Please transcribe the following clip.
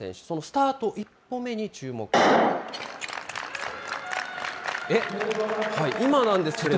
そのスタート一歩目に注目です。